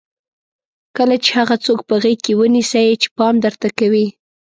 کله چې هغه څوک په غېږ ونیسئ چې پام درته کوي.